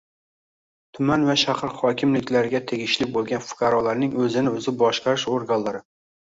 Tuman va shahar hokimliklariga tegishli bo‘lgan fuqarolarning o‘zini o‘zi boshqarish organlari